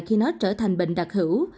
khi nó trở thành bệnh đặc hữu